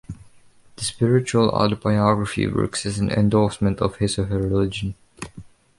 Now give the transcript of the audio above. The spiritual autobiography works as an endorsement of his or her religion.